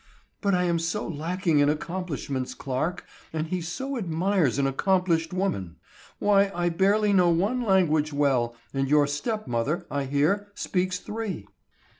"But I am so lacking in accomplishments, Clarke, and he so admires an accomplished woman. Why, I barely know one language well, and your stepmother, I hear, speaks three."